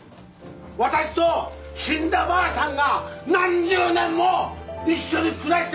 私と死んだばあさんが何十年も一緒に暮らしてきた家だ！